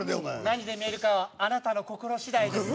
何に見えるかはあなたの心次第です。